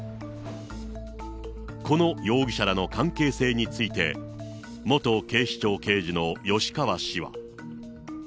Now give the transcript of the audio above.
この容疑者らの関係性について、元警視庁刑事の吉川氏は。